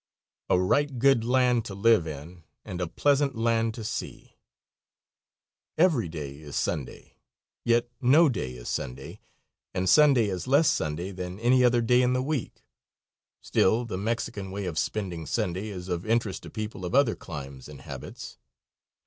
"A right good land to live in And a pleasant land to see." Every day is Sunday, yet no day is Sunday, and Sunday is less Sunday than any other day in the week. Still, the Mexican way of spending Sunday is of interest to people of other climes and habits.